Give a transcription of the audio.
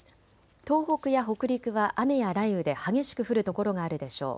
東北や北陸は雨や雷雨で激しく降る所があるでしょう。